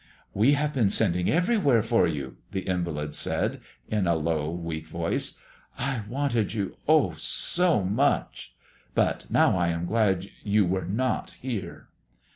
"We have been sending everywhere for you," the invalid said, in a low, weak voice. "I wanted you oh, so much, but now I am glad you were not here."